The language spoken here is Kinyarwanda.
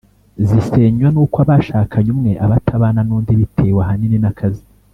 zisenywa n’uko abashakanye umwe aba atabana n’undi bitewe ahanini n’akazi.